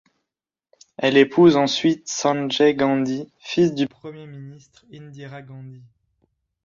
Elle épouse ensuite Sanjay Gandhi, fils du Premier ministre Indira Gandhi.